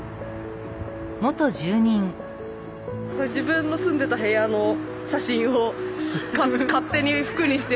これ自分の住んでた部屋の写真を勝手に服にして。